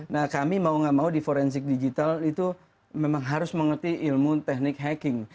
nah kami mau gak mau di forensik digital itu memang harus mengerti ilmu teknik hacking